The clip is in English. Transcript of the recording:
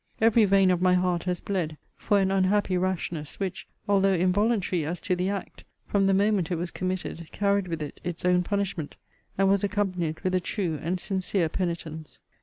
Every vein of my heart has bled for an unhappy rashness; which, (although involuntary as to the act,) from the moment it was committed, carried with it its own punishment; and was accompanied with a true and sincere penitence.